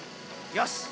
よし！